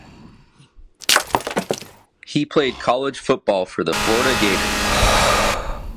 He played college football for the Florida Gators.